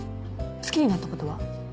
好きになったことは？